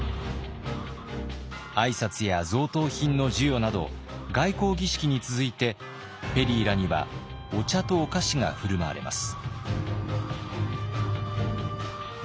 挨拶や贈答品の授与など外交儀式に続いてペリーらにはお茶とお菓子が振る舞われます。